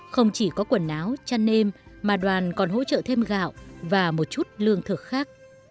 không chỉ có quần áo chăn nêm mà đoàn còn hỗ trợ thêm gạo và một chút lương thực khác